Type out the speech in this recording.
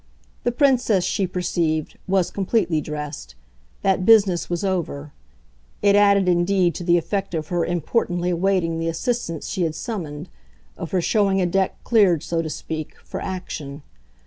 The Princess, she perceived, was completely dressed that business was over; it added indeed to the effect of her importantly awaiting the assistance she had summoned, of her showing a deck cleared, so to speak, for action.